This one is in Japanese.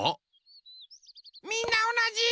みんなおなじ！